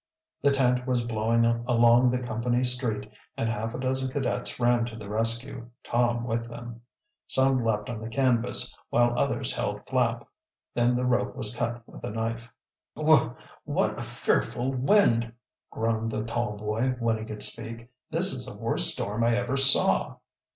The tent was blowing along the company street and half a dozen cadets ran to the rescue, Tom with them. Some leaped on the canvas, while others held Flapp. Then the rope was cut with a knife. "Wha what a fearful wind!" groaned the tall boy, when he could speak. "This is the worst storm I ever saw!"